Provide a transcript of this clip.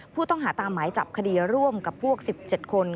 ผู้ต้องหาตามหมายจับคดีร่วมกับพวก๑๗คน